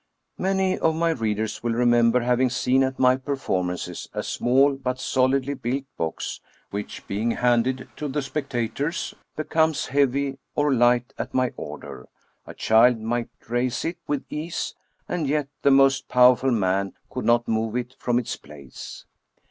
Many of my readers will remember having seen at my 226 Af. Robert Houdin performances a small but solidly built box, which, being handed to the spectators, becomes heavy or light at my order; a child might raise it with ease, and yet the most powerful man could not move it from its place.